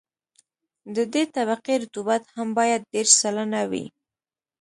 د دې طبقې رطوبت هم باید دېرش سلنه وي